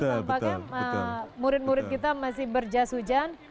tampaknya murid murid kita masih berjas hujan